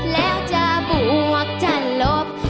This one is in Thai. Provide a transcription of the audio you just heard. แล้วจะบวกจะลบ